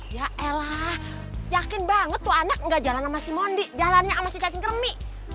yaelah yakin banget tuh anak gak jalan sama si mondi jalannya sama si cacing kremi